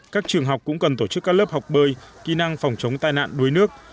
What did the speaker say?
các trường học cũng cần tổ chức các lớp học bơi kỹ năng phòng chống tai nạn đuối nước